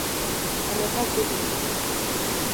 Em ê hev bibînin.